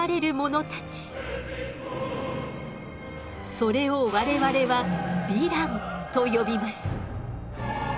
それを我々は「ヴィラン」と呼びます。